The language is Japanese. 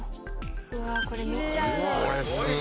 うわあこれ見ちゃうな。